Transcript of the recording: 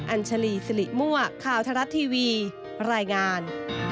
อัญชลีสิริมั่วข่าวทรัฐทีวีรายงาน